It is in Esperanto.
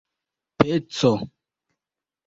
peco